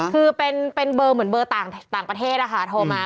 คือเป็นเบอร์เหมือนเบอร์ต่างประเทศนะคะโทรมา